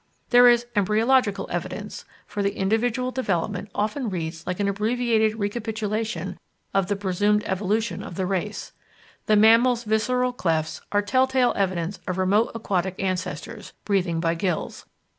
There is embryological evidence, for the individual development often reads like an abbreviated recapitulation of the presumed evolution of the race. The mammal's visceral clefts are tell tale evidence of remote aquatic ancestors, breathing by gills.